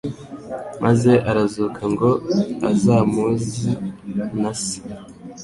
maze arazuka ngo azampuzi na se